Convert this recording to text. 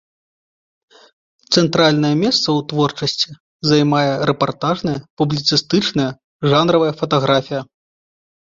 Цэнтральнае месца ў творчасці займае рэпартажная, публіцыстычная, жанравая фатаграфія.